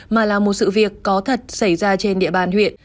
mà là một sự việc có thật xảy ra trên địa bàn huyện